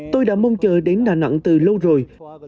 tôi đã mong chờ đến đà nẵng từ lâu rồi